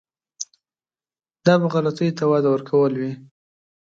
دا به غلطیو ته وده ورکول وي.